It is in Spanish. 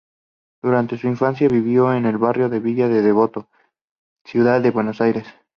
Durante su infancia vivió en el barrio de Villa Devoto, Ciudad de Buenos Aires.